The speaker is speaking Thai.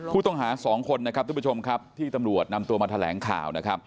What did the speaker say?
ผู้ต้องหา๒คนนะครับทุกผู้ชมครับที่ตำรวจนำตัวมาแถลงข่าวนะครับ